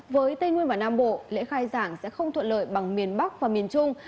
với tây nguyên và nam bộ lễ khai giảng sẽ không thuận lợi bằng miền bắc và miền trung